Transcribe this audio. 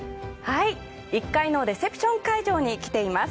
１階のレセプション会場に来ています。